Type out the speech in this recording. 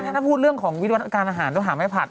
ถ้าพูดเรื่องของวิวัตการอาหารต้องหาไม่ผัด